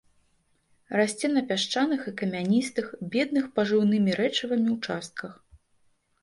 Расце на пясчаных і камяністых, бедных пажыўнымі рэчывамі участках.